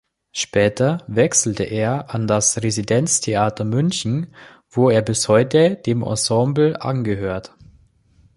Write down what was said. Später wechselte er an das Residenztheater München, wo er bis heute dem Ensemble angehört.